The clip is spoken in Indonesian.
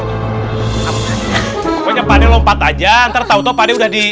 pokoknya pak d lompat aja ntar tau tau pak d udah di